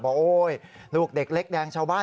โอ๊ยลูกเด็กเล็กแดงชาวบ้าน